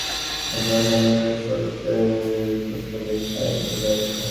একবার মনে করিল স্বরূপের প্রস্তাবে সায় দিয়া যাইবে।